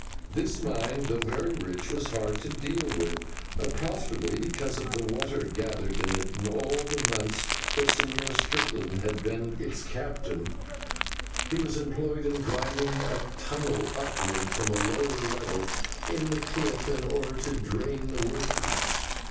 This mine, though very rich, was hard to deal with profitably because of the water gathered in it, and all the months that the Señor Strickland had been its captain he was employed in driving a tunnel upwards from a lower level in the cliff, in order to drain the workings.